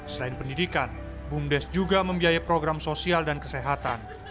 selain pendidikan bumdes juga membiayai program sosial dan kesehatan